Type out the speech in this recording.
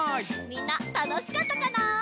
みんなたのしかったかな？